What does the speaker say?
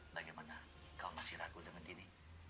bagaimana kau masih ragu dengan dini